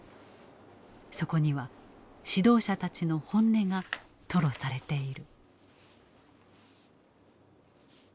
そこには指導者たちの本音が吐露されている。